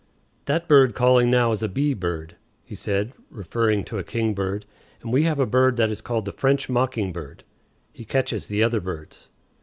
"That bird calling now is a bee bird," he said, referring to a kingbird; "and we have a bird that is called the French mocking bird; he catches other birds."